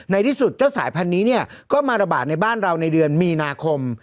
ในที่สุดเจ้าสายพันธุ์นี้เนี่ยก็มาระบาดในบ้านเราในเดือนมีนาคม